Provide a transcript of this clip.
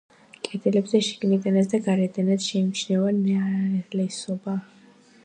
კედლებზე შიგნიდანაც და გარედანაც შეიმჩნევა ნალესობა.